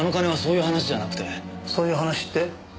そういう話って？